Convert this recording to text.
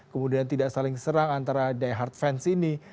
kemudian tidak saling serang antara die hard fans ini